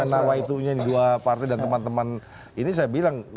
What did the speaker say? nama itunya dua partai dan teman teman ini saya bilang